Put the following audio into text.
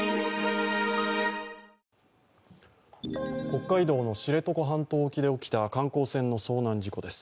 北海道の知床半島沖で起きた観光船の遭難事故です。